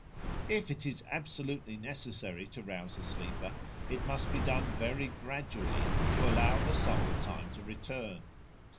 If it is absolutely necessary to rouse a sleeper, it must be done very gradually, to allow the soul time to return.